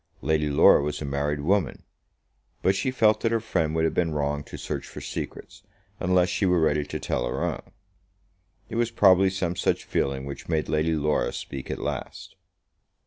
Lady Laura was a married woman; but she felt that her friend would have been wrong to search for secrets, unless she were ready to tell her own. It was probably some such feeling which made Lady Laura speak at last.